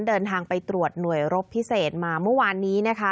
เดินทางไปตรวจหน่วยรบพิเศษมาเมื่อวานนี้นะคะ